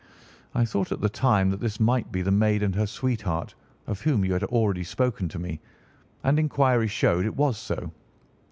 I thought at the time that this might be the maid and her sweetheart, of whom you had already spoken to me, and inquiry showed it was so.